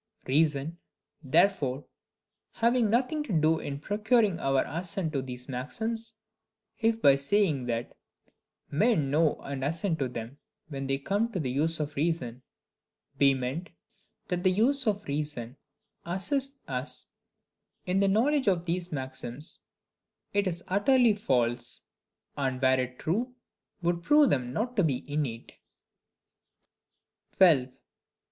Reason, therefore, having nothing to do in procuring our assent to these maxims, if by saying, that "men know and assent to them, when they come to the use of reason," be meant, that the use of reason assists us in the knowledge of these maxims, it is utterly false; and were it true, would prove them not to be innate. 12.